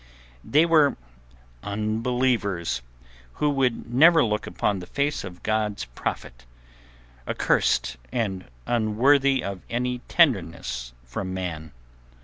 They were unbelievers who would never look upon the face of God's Prophet, accursed and unworthy of any tenderness from man.